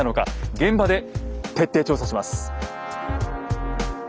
現場で徹底調査します。